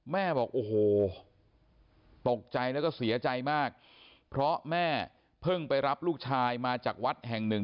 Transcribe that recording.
แม่บอกโอ้โหตกใจแล้วก็เสียใจมากเพราะแม่เพิ่งไปรับลูกชายมาจากวัดแห่งหนึ่ง